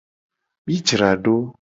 Mi jra do.